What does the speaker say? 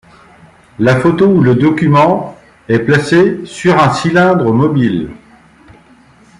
La photo ou le document est placé sur un cylindre mobile.